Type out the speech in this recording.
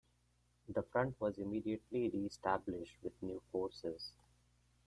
The Front was immediately re-established with new forces.